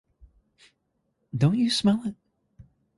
Don’t you smell it?